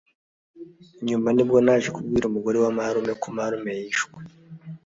nyuma nibwo naje kubwira umugore wa marume ko marume yishwe